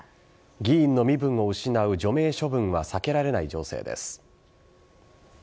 議員の身分を失う除名処分は避けられない情勢です。